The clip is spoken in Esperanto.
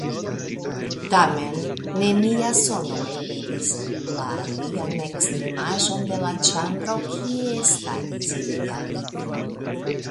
Tamen nenia sono eliris la alian ekstremaĵon de la ĉambro kie staris ilia lito.